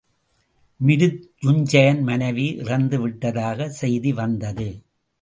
மிருத்யுஞ்சயன் மனைவி இறந்து விட்டதாகச் செய்தி வந்தது.